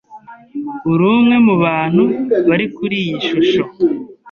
Uri umwe mubantu bari kuri iyi shusho.